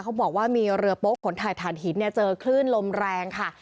เขาบอกว่ามีเรือโป๊ขนถ่ายฐานหินเนี่ยเจอคลื่นลมแรงค่ะ